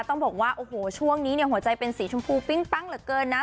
ต้องบอกว่าโอ้โหช่วงนี้เนี่ยหัวใจเป็นสีชมพูปิ้งปั้งเหลือเกินนะ